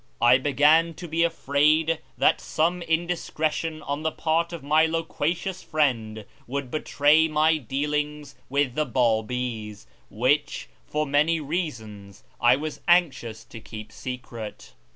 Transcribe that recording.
I began to be afraid that some indiscretion on the part of my loquacious friend would betray my dealings with the Babi's, which, for many reasons, I was anxious to keep secret.